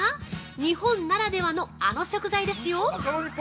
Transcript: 日本ならではのあの食材ですよ。